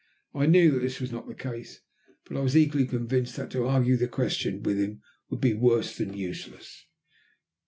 I knew that this was not the case, but I was equally convinced that to argue the question with him would be worse than useless.